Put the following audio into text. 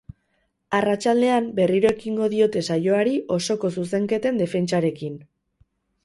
Arratsaldean berriro ekingo diote saioari osoko zuzenketen defentsarekin.